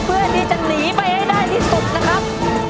เพื่อที่จะหนีไปให้ได้ที่สุดนะครับ